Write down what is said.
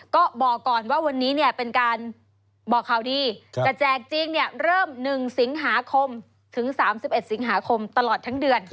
ก็บอกก่อนว่าวันนี้เนี่ยเป็นการบอกข่าวดีจะแจกจริงเริ่ม๑สิงหาคมถึง๓๑สิงหาคมตลอดทั้งเดือน